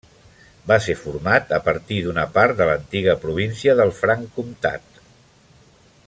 Va ser format a partir d'una part de l'antiga província del Franc Comtat.